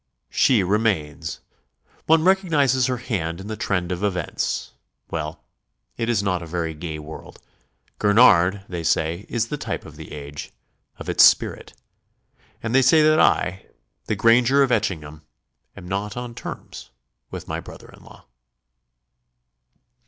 She remains. One recognises her hand in the trend of events. Well, it is not a very gay world. Gurnard, they say, is the type of the age of its spirit. And they say that I, the Granger of Etchingham, am not on terms with my brother in law.